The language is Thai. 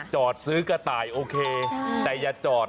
จอดซื้อกระต่ายโอเคแต่อย่าจอด